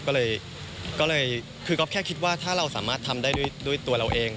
ก็เลยคือก๊อฟแค่คิดว่าถ้าเราสามารถทำได้ด้วยตัวเราเอง